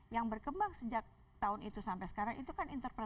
yang berkembang sejak tahun itu sampai sekarang itu kan interpelasi